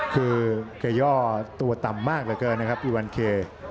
คือเกย่อตัวต่ำมากเหลือเกินนะครับอีวันเค